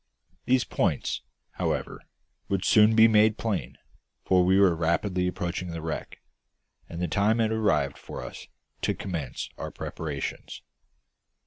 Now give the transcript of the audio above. These points, however, would soon be made plain, for we were rapidly approaching the wreck; and the time had arrived for us to commence our preparations.